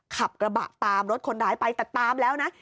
ขับกระบะตามรถคนร้ายไปแต่ตามแล้วนะ